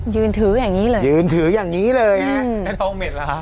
ยืนถืออย่างงี้เลยยืนถืออย่างงี้เลยนะฮะ